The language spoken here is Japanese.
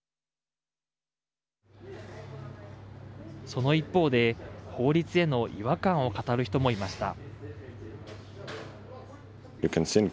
その一方で法律への違和感を語る人もいました。